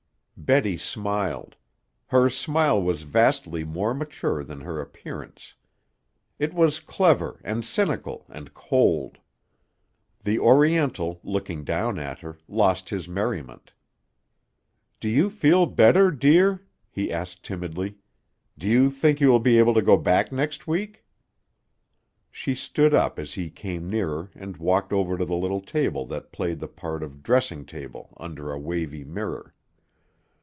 '" Betty smiled. Her smile was vastly more mature than her appearance. It was clever and cynical and cold. The Oriental, looking down at her, lost his merriment. "Do you feel better, dear?" he asked timidly. "Do you think you will be able to go back next week?" She stood up as he came nearer and walked over to the little table that played the part of dressing table under a wavy mirror.